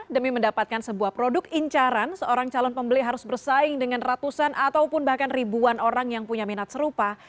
demi mendapatkan sebuah produk incaran seorang calon pembeli harus bersaing dengan ratusan ataupun bahkan ribuan orang yang punya minat serupa